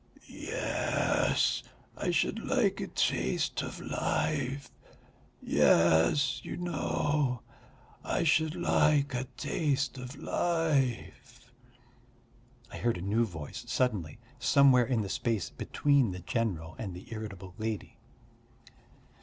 "Yes, I should like a taste of life! Yes, you know ... I should like a taste of life." I heard a new voice suddenly somewhere in the space between the general and the irritable lady.